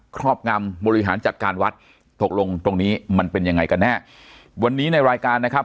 ครอบงำบริหารจัดการวัดตกลงตรงนี้มันเป็นยังไงกันแน่วันนี้ในรายการนะครับ